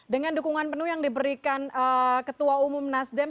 dengan dukungan penuh yang diberikan ketua umum nasdem